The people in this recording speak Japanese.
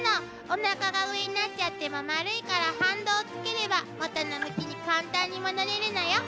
おなかが上になっちゃっても丸いから反動をつければ元の向きに簡単に戻れるのよ。